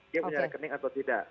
dia punya rekening atau tidak